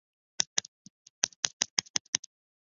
铆钉是由裁切并削尖成适当尺寸的固体黄铜棒所做。